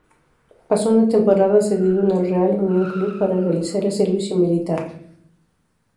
Pasó una temporada cedido en el Real Unión Club para realizar el servicio militar.